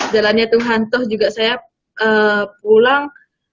jalannya tuh hantoh juga saya pulang